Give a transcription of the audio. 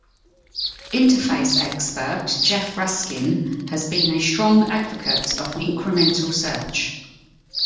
Interface expert Jef Raskin has been a strong advocate of incremental search.